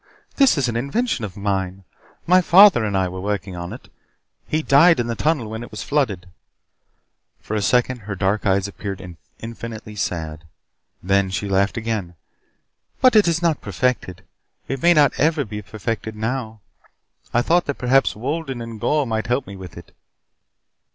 This is an invention of mine. My father and I were working on it. He died in the tunnel when it was flooded." For a second her dark eyes appeared infinitely sad. Then she laughed again. "But it is not perfected. It may not ever be perfected now. I thought that perhaps Wolden and Gor might help me with it."